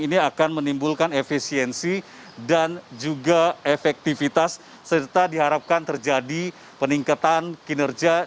ini akan menimbulkan efisiensi dan juga efektivitas serta diharapkan terjadi peningkatan kinerja